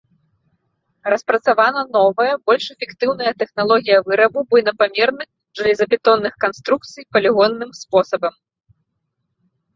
Распрацавана новая, больш эфектыўная тэхналогія вырабу буйнапамерных жалезабетонных канструкцый палігонным спосабам.